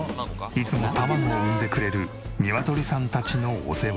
いつも卵を産んでくれるニワトリさんたちのお世話。